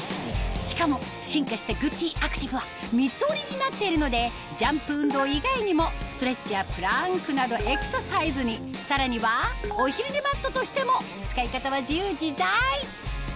しかも進化したグッデイアクティブは三つ折りになっているのでジャンプ運動以外にもストレッチやプランクなどエクササイズにさらにはお昼寝マットとしても使い方は自由自在！